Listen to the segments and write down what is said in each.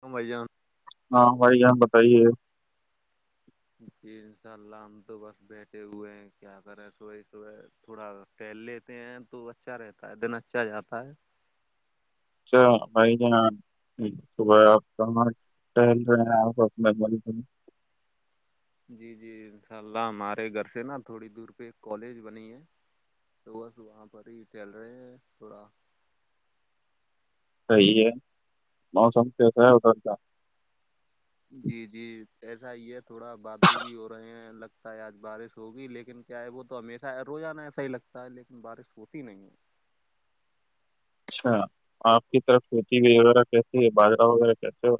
کج جان ہاں بھائی یہاں بتائیے جی انشاء اللہ ہم تو بس بیٹھے ہوئے ہیں کیا کرے سوی سو تھوڑا پھیہل لیتے ہیں تو اچھا رہتا ہے دن اچھا جاتا ہے اچھا بھائی ج ج صبح آپ ہمار ٹہل رہے ہیں آپ م جی جی انشاء اللہ ہمارے گھر سے نا تھوڑی دور پہ کالج بنی ہے تو بس وہاں پر ہی چل رہے ہیں تھوڑا صحی ہے موسم کیسا ہے اٹرتا جی جی ایسا ہی ہے تھوڑا بادل بھی ہو رہے ہیں لگتا ہے آج بارش ہوگی لیکن کیا ہے وہ تو ہمیشہ روزانہ ایسا ہی لگتا ہے لیکن بارش ہوتی نہیں ہے اچھا آپ کی طرف سوتیی وغیرہ کیسی ہے باجرا وغیرہ کیس ہو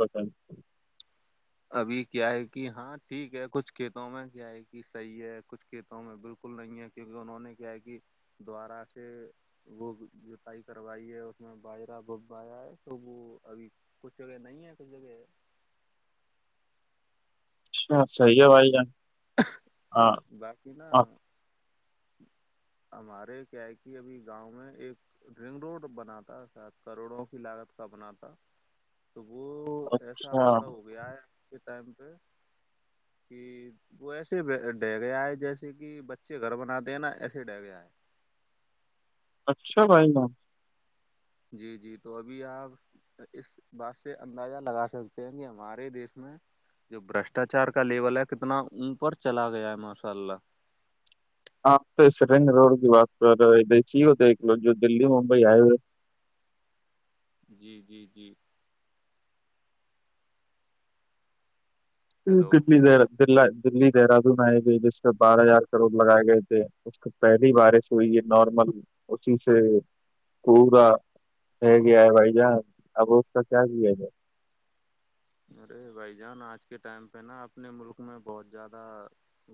ابھی کیا ہے کہ ہاں ٹھیک ہے کچھ کھیتوں میں کیا ہے کہ صحیح ہے کچھ کھیتوں میں بالکل نہیں ہے کیونکہ انہوں نے کیا ہے کہ دوارا سے وہ جتائی کروائی ہے اس میں باہرہ ب آایا ہے تو وہ ابھی کچھ جگہ نہیں ہے کچھ جگہ اچھا صحیح ہے بھائی جار باقی نا آپ- [unintelligible] ہمارے کیا ہے کہ ابھی گاؤں میں ایک رنگ روڈ بناتا س کروڑوں کی لاگت کا بناتا تو وہ ایسا اچھا مطلب ہو گیا ہے آپ کے ٹائم پہ کہ وہ ایسے ڈہ گیا ہے جیسے کہ بچے گھر بناتے ہیں نا ایسے ڈہ گیا ہے اچھا بھائی جی جی تو ابھی آپ اس بات سے اندازہ لگا سکتے ہیں کہ ہمارے دیس میں جو بشٹاچار کا لیول ہے کتنا اپر چلا گیا ہے ماشاء اللہ آپ تو اس رنگ روڈ کی بات کر رہے ہیں دسی ہی ہوتے ہے ایک لو جو دلی ممبئی ہائی وے جی جی جی ہیلو دلی د دلی دہراد میںئے گ جس پ بارہ ہزار کروڑ لگائے گئے تھے اس کی پہلی بارش ہوئی ہے نارمل اسی سے پورا رہ گیا ہے بھائی جان اب اس کا کیا کیا گ ارے بھائی جان آج کے ٹائم پہ نا اپنے ملک میں بہت زیادہ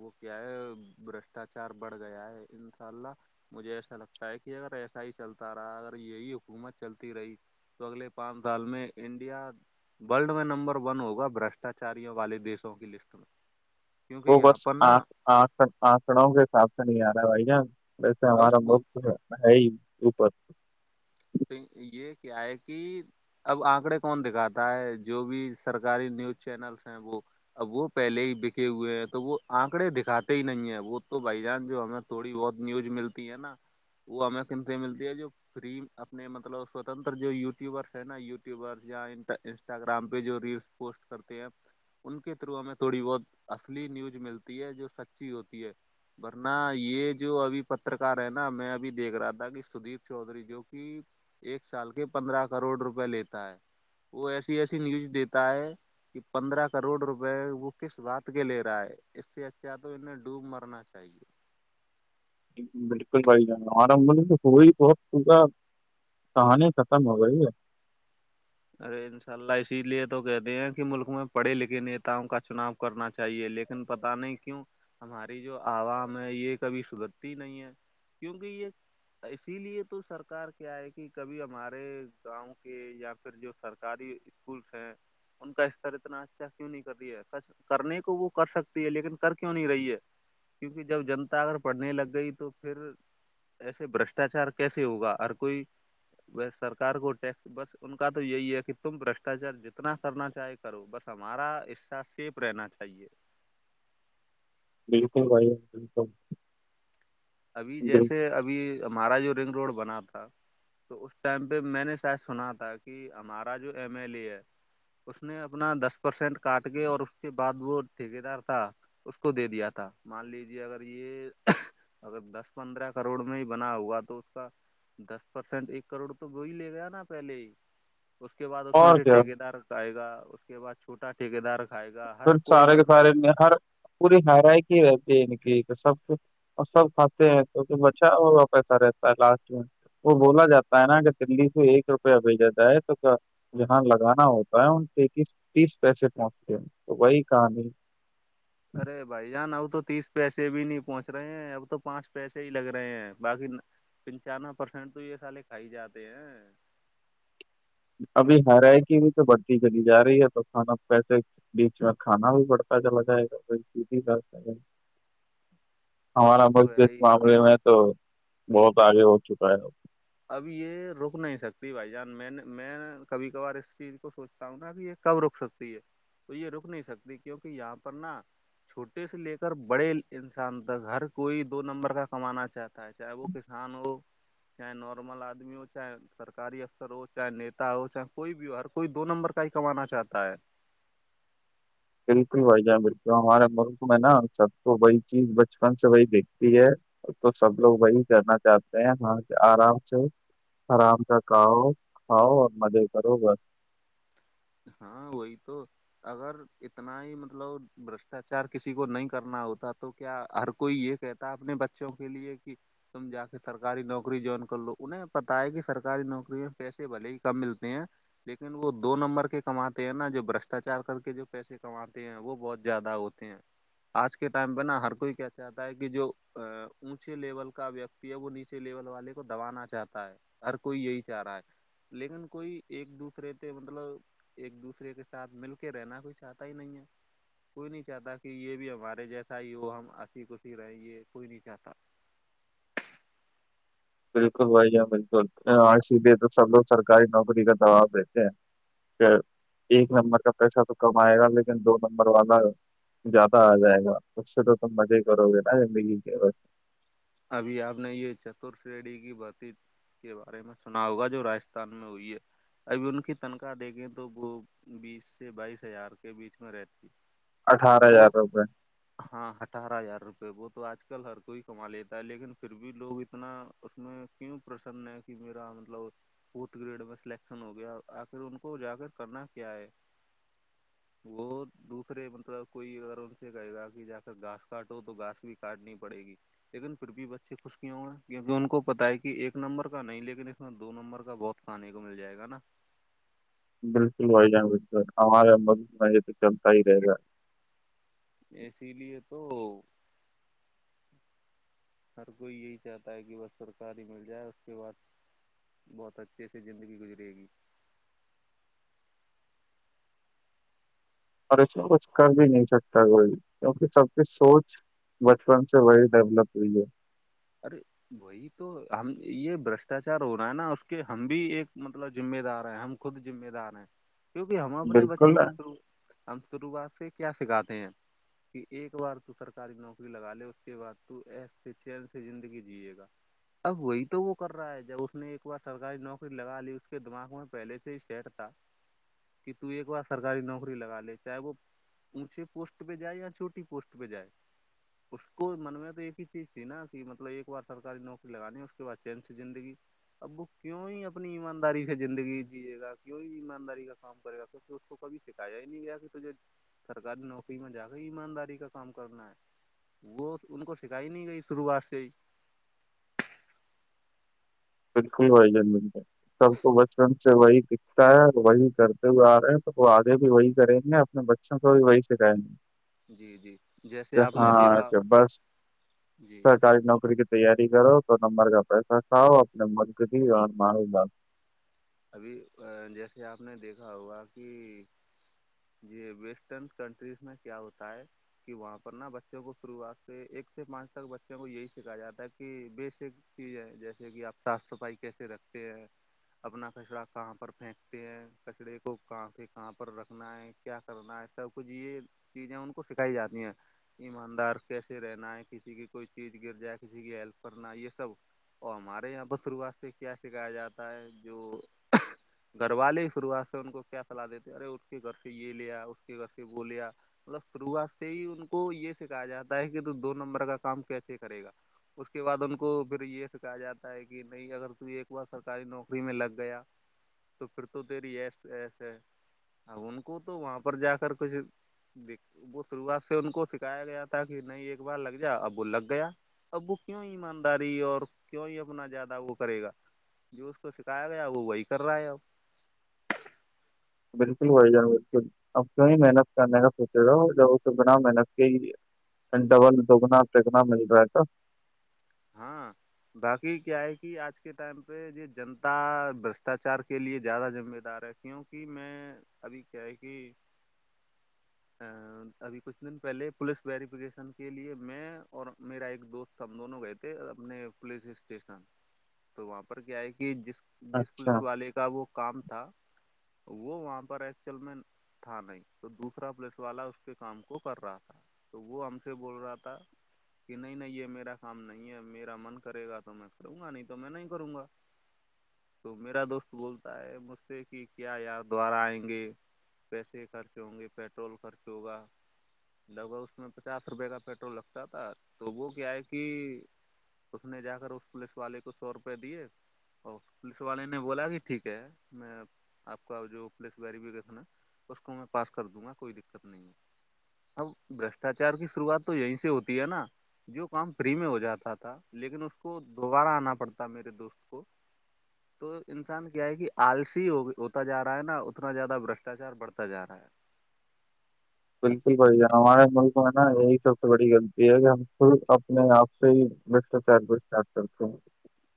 وہ کیا ہے برشٹاچار بڑھ گیا ہے انشاء اللہ مجھے ایسا لگتا ہے کہ اگر ایسا ہی چلتا رہا اگر یہی حکومت چلتی رہی اگلے پانچ سال میں انڈیا ولڈ میں نمبر ون ہوگا برشٹاچاریوں والے دیشوں کی لسٹ میں کیونکہ وہ یہاں بس پر نا آھ آھ [unintelligible] آنکڑوں کے حساب سے نہیں آ رہا ہے بھائی جان ویسے بس ہمارا وہ مکت ہے اوپر تو یہ کیا ہے کہ اب آنکڑے کون دکھاتا ہے جو بھی سرکاری نیوز چینلس ہیں وہ اب وہ پہلے ہی بکھے ہوئے ہیں تو وہ آنکڑے دکھاتے ہی نہیں ہے وہ تو بائی جانس جو ہمیں [unintelligible] تھوڑی بہت نیوز ملتی ہے نا وہ ہمیں کن سے ملتی ہے جو فری اپنے مطلب سوتنر جو یوٹیوبرس ہیں نا یوٹیوبرس یا ان انسٹاگرام پہ جو ریلس [unintelligible] پوسٹ کرتے آپ ان کے تھرو ہمیں تھوڑی بہت اصلی نیوز ملتی ہے جو سچی ہوتی ہے [unintelligible] ورنہ یہ جو ابھی پترکار ہے نا میں ابھی دیکھ رہا تھا کہ سدیپ چودھری جو کہ ایک سال کے پندرہ کروڑ روپئے لیتا ہے وہ ایسی ایسی نیوز دیتا ہے کہ پندرہ کروڑ روپئے وہ کس بات کے لے رہا ہے است ات تو انیں ڈوب مرنا چاہیے بالکل بھائی جان آرمب تو ہوی بہت پا توانی ختم ہو گئی ہے ارے انشاء اللہ اسی لیے تو کہتے ہیں کہ ملک میں پڑھے لکھے نتاؤں کا چناؤ کرنا چاہیے لیکن پت نہیں کیوں ہماری جو عوام ہے یہ کبھی سدرتی نہیں ہے کیونکہ یہ اسی لیے تو سرکار کیا ہے کہ کبھی ہمارے گاؤں کے یا پھر جو سرکاری اسکولس ہیں ان کا استر اتنا اچھا کیوں نہیں کر رہی ہے کچھ کرنے کو وہ کر سکتی ہے لیکن کر کیوں نہیں رہی ہے کیونکہ جب جنتا اگر پڑھنے لگ گئی تو پھر ایسے بشٹاچار کیسے ہوگا ہر کوئی سرکار کو ٹیکس بس ان کا تو یہی ہے کہ تم بشٹاچار جتنا کرنا چاہے کرو بس ہمارا حصہ سیپ رہنا چاہیے بالکل بھائی بالکل ابھی بالکل جیسے ابھی ہمارا جو رنگ روڈ بنا تھا تو اس ٹائم پہ میں نے شاید سنا تھا کہ ہمارا جو ایم ایل اے ہے اس نے اپنا دس پرسینٹ کاٹ کے اور اس کے بعد وہ ٹھیک دار تھا اس کو دے دیا تھا مان لیجے اگر یہ اگر دس پندرہ کروڑ میں ہی بنا ہوا تو اس کا دس پرسینٹ ایک کروڑ تو وہ ہی لے گیا نا پہلے ہی اس کے بعد اس میں اور سے کیا ٹھیکے دار آئے گا اس کے بعد چھوٹا ٹھیکے دار کھائے گا ہر کوئی مطلب میں ہھر پوری ہیرائی کی رہتی ہے ن کی سب کچ اور سب کھاتے ہیں کیکہ بچا ہوا پیسا رہتا ہے لاسٹ میں وہ بولا جاتا ہے نا کہ دلی سے ایک روپیہ بھیجاتا ہے تو جہاں لگانا ہوتا ہے ان پ ایس تیس پیسے پہنچتے ہیں تو وہی کہانی ارے بھائی جان اب تو تیس پیسے بھی نہیں پہنچ رہے ہیں اب تو پانچ پیسے ہی لگ رہے ہیں باقی پنچانوے پرسینٹ تو یہ سالے کھائی جاتے ہیں ابھی ہیرائی کی بھی تو بڑھتی چلی جا رہی ہے تو کھانا پسے بیچ میں کھانا بھی بڑھتا چلا جائے گا س بھی وہ ہمارا تو پقت ہے اس ہی معاملے میں تو بہت آگے ہو چکا ہے اب یہ رک نہیں سکتی بھائی جان میں نے میں کبھی کبھار اس چیز کو سوچ بتاوں نا کہ یہ کب رک سکتی ہے تو یہ رک نہیں سکتی کیونکہ یہاں پر نا چھوٹے سے لے کر بڑے انسان تک ہر کوئی دو نمبر کا کمانا چاہتا چاہ ا وہو کسان ہو چاہ نارمل آدمی چاہے سرکاری افسر ہو چاہے نیتا ہو چاہے کوئی بھی ہو ہر کوئی دو نمبر کا ہی کمانا چاہتا ہے بالکل بھائی جان بالکل ہمارے ملک میں نا سب کو بی چیز بچپن سے وہی دیکھتی ہے تو سب لوگ وہی کرنا چاہتے ہیں ہاں آرام سے آرام سے کھاؤ کھاؤ اور مزے کرو بس ہاں وہی تو اگر اتنا ہی مطلب برشٹاچار کسی کو نہیں کرنا ہوتا تو کیا ہر کوئی یہ کہتا اپنے بچوں کے لیے کہ تم جا کے سرکاری نوکری جوائن کر لو انہیں پتتا ہے کہ سرکاری نوکری میں پیسے بھلے ہی کم ملتے ہیں لیکن وہ دو نمبر کے پے کماتے ہیں نا جو برشٹاچار کر کے جو پیسے کماتے ہیں وہ بہت زیادہ ہوتے ہیں آج کے ٹائم پہ نا ہر کوئی کیا چاہتا ہے کہ جو اونچے لیول کا ویکتی وہ نیچے لیول والے کو دبانا چاہتا ہے ہر کوئی یہی چاہ رہا ہے لیکن کوئی ایک دوسرے سے مطلب ایک دوسرے کے ساتھ مل کے رہنا کوئی چاہتا ہی نہیں ہے کوئی نہیں چاہتا کہ یہ بھی ہمارے جیسا ہی وہ ہم ہسی خشی رہیں یہ کوئی نہیں چاہتا بالکل بھیا بالکل سی لیے تو سب لوگ سرکاری نوکری کا دباب دیتے ہیں ایک نمبر کا پیسہ تو کمائے گا لیکن دو نمبر والا زیادہ آ جائے گا اس سے تو تم مزے ہی کرو گے نا زندگی کے ابھی آپ نے یہ چتر شریڑھی کی بات کے بارے میں سنا ہوگا جو راستھان میں ہوئی ہے ابھی ان کی تنخواہ دیکھیں تو وہ بیس سے بائیس ہزار کے بیچ میں رہتی اٹھارہ تو ہزار روپئے ہاں اٹھارہ ہزار روپئے وہ تو آج کل ہر کوئی کما لیتا لیکن پھر بھی لوگ اتنا اس میں کیوں پرسن ہے کہ میرا مطلب فورتھ گریڈ میں سلیکشن ہو گیا آخر ان کو جا کر کرنا کیا ہے وہ دوسرے مطلب کوئی اگر ان سے کہے گا کہ جا کر گاس کاٹو تو گاس بھی کاٹنی پڑے گی لیکن پھر بھی بچے خوش ک ہ ہو گئے کیکہ ان کو پت ہے کہ ایک نمبر کا نہیں لیکن اس میں دو نمبر کا بہت کھانے کو مل جائے گا نا بالکل وھائی جان بالکل ہمارا م یہ تو چلتا ہی رہے گا اسی لیے تو ہر کوئی یہی چاہتا ہے کہ بس سرکاری مل جائے اس کے بعد بہت اچھے سے زندگی گزرے گی اور اس میں کچھ کر بھی نہیں سکتا کوئی کیونکہ سب کی سوچ بچپن سے وہی ڈیولپ ہوئی ہے ارے بول وہی تو ہم یہ بشٹاچار ہو رہا ہے نا اس کے ہم بھی ایک مطلب مہ دار ہیں ہم خود مے دار کیونکہ ہم اپنے بالکل بچوں کو ہم شروعات سے کیا سکھاتے ہیں کہ ایک بار تو سرکاری نوکری لگا لے اس کے بع ت ایس چ زندگی جیے گا اب وہی تو وہ کر رہا ہے جب اس نے ایک بار سرکاری نوکری لگا لی اس کے دماغ میں پہلے سے بیٹ تھا کہ ت ایک بار سرکاری نوکری لگا لے چاہے وہ اونچے پوسٹ پہ جائے یا چھوٹی پوسٹ پہ جائے اس کو من میں تو ایک ہی چیز تھی نا مطلب ایک بار سرکاری نوکری لگانی اس کے بعد چین س زندگی ابو کیوں ہی اپنی ایمانداری سے زندگی جیے گا کیوں ایمانداری کا کام کرے گا تو تو اس کو کبھی سکھایا ہی نہیں گیا کہ تو جو سرکاری نوکری میں جا کے ایمانداری کا کام کرنا ہے وہ ان کو سکھائی نہیں گئی شروعات سے ہی تو خ ہو جان ملتا ہے سب کو بچپن سے وہی دکھتا ہے وہی کرتے ہوئے آ رہے ہیں تو وہ آگے بھی وہی کریں گے اپنے ب کوئی وی سک ہے جی جی جیسے آپ نے دیکھا ہاں بس جی سرکاری نوکری کی تیاری کرو تو نمبر کا پیسہ کاؤ اپنے مرگ بھی اور مار لاال ابھی جیسے آپ نے دیکھا ہوگا کہ یہی ویسٹرن کنٹریز میں کیا ہوتا ہے کہ وہاں پر نا بچوں کو شروعات سے ایک سے پانچ تک بچوں کو یہی سیککھایا جاتا ہے کہ بیےسک چیز ہے جیسے کہ آپ صاف صفائی کیسے رکھتے ہیں اپنا کچرا کہاں پر پھینکتے ہے کچرے کو کہ پ کہاں پر رکھ سنا ہے کیا کرنا ہے سب کچھ یہ چیزیں ان کو سکھائی جاتی ہیں ایماندار کیسے رہنا ہے کسی کی کوئی چیز گر جائے کسی کی ہیلپ کرنا ہے یہ سب اور ہمارے یہاں پر شروعات سے کیا سکھایا جاتا ہے جو گھر والے شروعات سے ان کو کیا سلاح دیتے ارے اس کے گھر سے یہ لیا اس کے گھر سے وہ لیا مطل شروعات سے ہی ان کو یہ سکھا جاتا ہے کہ تو دو نمبر کا کام کیسے کرے گا اس کے بعد ان کو پھر یہ س کہا جاتا ہے کہ نہیں اگر تو ایک بار سرکاری نوکری میں لگ گیا تو پھر تو تری ایس ایسے اب ان کو تو وہاں پر جا کر کچھ د وہ شروعات سے ان کو سکھایا گیا تھا کہ نہیں ایک بار لگ جا اب وہ لگ گیا اب وہ کیوں ایمانداری اور کیوں ہی اپنا زیادہ وہ کرے گا جو اس کو سکھایا گیا وہی کر رہا ہے اب بالکل وہی جان بالکل اب کیوں محنت کات سوچے رہا بنا محنت کے ہی ڈبل دگنا پگنا مل رہا ہے تھا ہاں باقی کیا ہے کہ آج کے ٹائم پہ یہ جنتا برشٹاچار کے لیے زیادہ ذمہ دار ہے کیونکہ میں ابھی کیا ہے کہ ابھی کچھ دن پہلے پولیس ویریفکیشن کے لیے میں اور میرا ایک دوست ہم دونوں گئے تھے اپنے پولیس اسٹیشن تو وہاں پر کیا ہے کہ جس جس اچھا پولیس والے کا وہ کام تھا وہ وہاں پر ایکچل میں تھا نہیں توسر دوسرا پلیس والا اس کے کام کو کر رہا تھا تو وہ ہم سے بول رہا تھا کہ نہیں نہیں یہ میرا کام نہیں ہے میرا من کرے گا تو میں کروں گا نہیں تو میں نہیں کروں گا [inaudible] تو میرا دوست بولتا ہے مجھ سے کہ کیا یار دوبارہ آئیں گے پیسے خرچ ہوں گے پیٹرول خرچ ہوگا لگ بھگ اس میں پچاس روپے کا پیٹرول لگتا تھا تو وہ کیا ہے کہ اس نے جا کر اس پولیس والے کو سو روپئے دیے اورو پولیس والے نے بولا کہ ٹھیک ہے میں آپ کا جو پولیس گری بھی دیکھنا اس کو میں پاس کر دوں گا کوئی دقت نہیں ہے اب بشٹاچار کی شروعات تو یہیں سے ہوتی ہے نا جو کام فری میں ہو جاتا تھا لیکن اس کو دوبارہ آنا پڑتا میرے دوست کو [inaudible] تو انسان کیا ہے کہ آلسی ہو ہوتا جا رہا ہے نا اتنا زیادہ برشٹاچار بڑھتا جا رہا ہے بالکل بڑ جا ہمارے ملک میں نا یہی سب سے بڑی غلطی ہے کہ ہم خود اپنے آپ سے ہی بشٹاچار پرٹار کرتے ہیں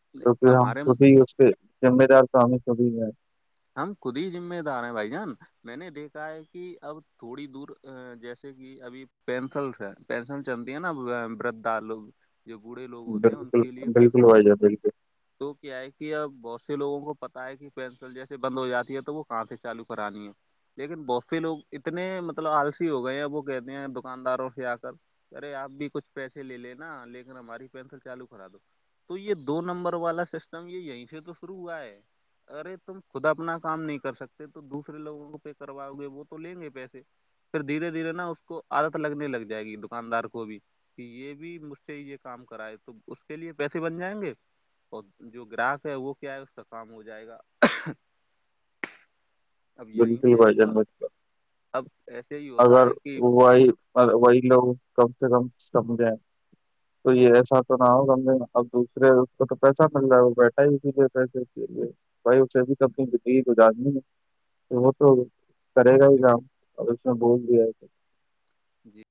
ہے کیکہ ہم ہمارے خبھی اس کے جم دار سوامی سبھی ہے ہم خود ہی ذمہ دار ہیں بھائی جان میں نے دیکھا ہے کہ اب تھوڑی دور جیسے کہ ابھی پینسلس ہے پینسل چلتی ہے نا ورھا لوگ جو بوڑھے لوگ ہوتے ہیں ان بالکل کے لیے بالکل پینسل بھائی جان دیتی ہیں بالکل تو کیا ہے کہ اب بہت سے لوگوں کو پتا ہے کہ پینسل جیسے سے بند ہو جاتی ہے تو وہ کہاں سے چالو کرانی ہے لیکن بہت سے لوگ اتنے مطلب آلسی ہو گئے ہیں وہ کہتے ہیں دکانداروں سے آ کر ارے آپ بھی کچھ پیسے لے لینا لیکن ہماری پینسل چالو خرا دو تو یہ دو نمبر والا سسٹم یہ یہیں سے تو شروع ہوا ہے ارے تم خود اپنا کام نہیں کر سکتے تو دوسر لوگوں کو پہ کرواؤ گے وہ تو لیں گے پیسے پھر دھیرے دھیرے نا اس کو عادت لگنے لگ جائے گی دکاندار کو بھی کہ یہ بھی مجھ سے یہ کام کراائے تو اس کے لیے پیسے بن جائیں گے اور جو گراہک ہے وہ کیا ہے اس کا کام ہو جائے گا اب دون یہیں سے ہی باجن مطلب ہوتا اب ایسے ہی ہوتا اگر ہے کہ وہی وہی لوگ کم سے کم سمجھیں تو یہ ایسا تو نہ ہوگا اب دوسرے اس کو تو پیسہ مل رہا ہے وہ بیٹھا ہی کیے پیسے کے لیے بھائی اسے بھی کنی بگی گزارنی ہے تو وہ تو کرے گا ہی کام ا بہت بھییا جی